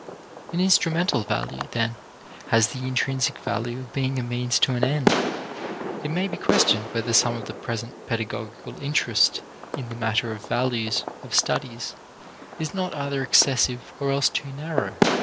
An instrumental value then has the intrinsic value of being a means to an end. It may be questioned whether some of the present pedagogical interest in the matter of values of studies is not either excessive or else too narrow.